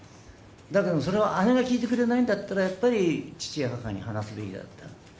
だけど、それは姉が聞いてくれないんだったら、やっぱり父や母に話すべきではないと。